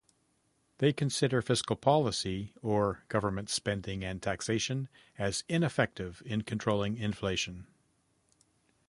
They consider fiscal policy, or government spending and taxation, as ineffective in controlling inflation.